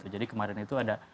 jadi kemarin itu ada